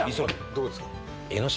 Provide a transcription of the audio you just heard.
どこですか？